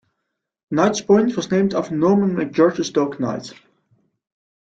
Knight's Point was named after Norman McGeorge's dog Knight.